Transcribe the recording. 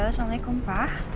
halo assalamu'alaikum pak